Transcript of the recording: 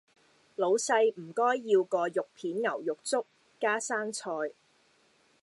老世唔该要个肉片牛肉粥，加生菜